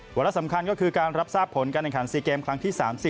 ละสำคัญก็คือการรับทราบผลการแข่งขัน๔เกมครั้งที่๓๐